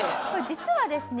実はですね